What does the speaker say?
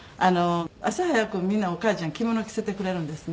朝早くみんなお母ちゃん着物を着せてくれるんですね。